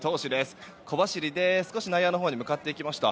今、小走りで内野のほうに向かっていきました。